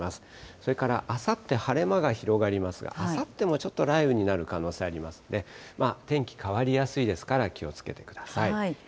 それからあさって、晴れ間が広がりますが、あさってもちょっと雷雨になる可能性ありますので、天気変わりやすいですから、気をつけてください。